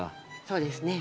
そうですね。